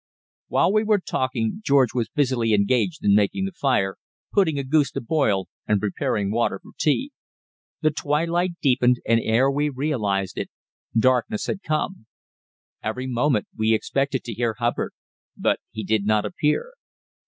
While we were talking George was busily engaged in making the fire, putting a goose to boil and preparing water for tea. The twilight deepened, and ere we realised it darkness had come. Every moment we expected to hear Hubbard, but he did not appear.